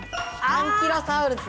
アンキロサウルス？